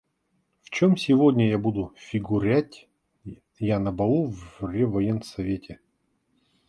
В чем сегодня буду фигурять я на балу в Реввоенсовете?